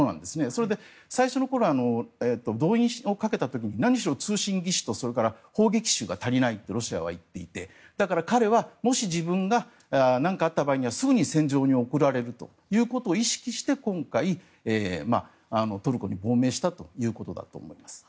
それで最初の頃は動員をかけた時に何しろ通信技師と砲撃手が足りないとロシアは言っていてだから彼はもし、自分がなんかあった場合にはすぐに戦場に送られるということを意識して今回、トルコに亡命したということだと思います。